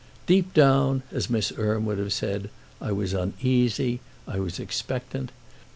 Deep down, as Miss Erme would have said, I was uneasy, I was expectant.